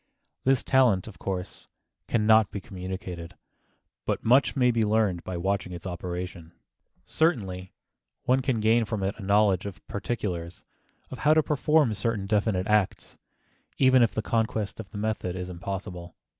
This talent, of course, can not be communicated, but much may be learned by watching its operation. Certainly one can gain from it a knowledge of particulars, of how to perform certain definite acts, even if the conquest of the method is impossible.